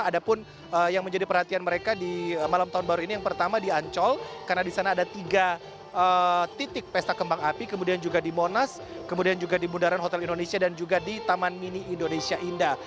ada pun yang menjadi perhatian mereka di malam tahun baru ini yang pertama di ancol karena di sana ada tiga titik pesta kembang api kemudian juga di monas kemudian juga di bundaran hotel indonesia dan juga di taman mini indonesia indah